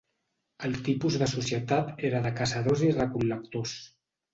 El tipus de societat era de caçadors i recol·lectors.